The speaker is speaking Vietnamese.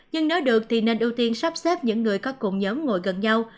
nhưng nếu được thì nên ưu tiên sắp xếp những người có cùng nhóm ngồi gần nhau